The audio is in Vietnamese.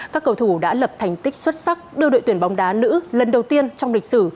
các cầu thủ đã lập thành tích xuất sắc đưa đội tuyển bóng đá nữ lần đầu tiên trong lịch sử